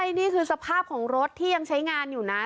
นี่คือสภาพของรถที่ยังใช้งานอยู่นะ